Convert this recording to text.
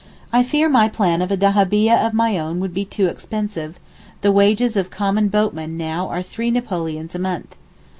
I fear my plan of a dahabieh of my own would be too expensive, the wages of common boatmen now are three napoleons a month.